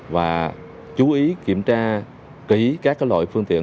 và chú ý kiểm tra kỹ các loại phương tiện